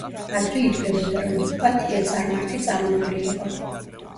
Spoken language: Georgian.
ადრე ითვლებოდა, რომ ჰიპატია წარმართი წამებული იყო.